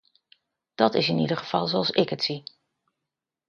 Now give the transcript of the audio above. Dat is in ieder geval zoals ik het zie.